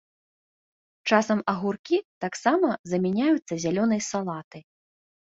Часам агуркі таксама замяняюцца зялёнай салатай.